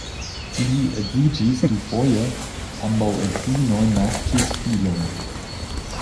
Li edziĝis dufoje, ambaŭ edzinoj naskis filojn.